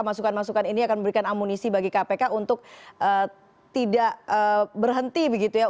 masukan masukan ini akan memberikan amunisi bagi kpk untuk tidak berhenti begitu ya